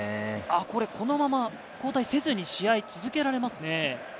このまま交代せずに、試合続けられますね。